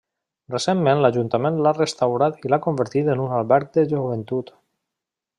Recentment l'ajuntament l'ha restaurat i l'ha convertit en un alberg de joventut.